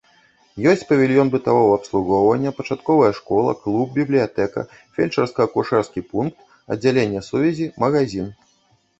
Ёсць павільён бытавога абслугоўвання, пачатковая школа, клуб, бібліятэка, фельчарска-акушэрскі пункт, аддзяленне сувязі, магазін.